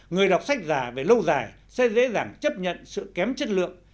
người đọc sách giả về lâu dài sẽ dễ dàng chấp nhận sự kém chất lượng